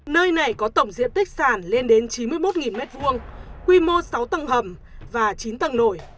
nơi này có tổng diện tích sàn lên đến chín mươi một m hai quy mô sáu tầng hầm và chín tầng nổi